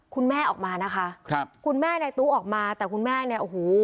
คุณแม่ออกมานะคะครับคุณแม่ในตู้ออกมาแต่คุณแม่เนี่ยโอ้โห